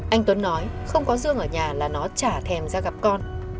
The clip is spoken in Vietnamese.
anh tuấn nói không có dương ở nhà là nó trả thèm ra gặp con